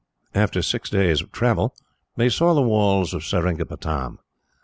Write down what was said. After six days' travel, they saw the walls of Seringapatam.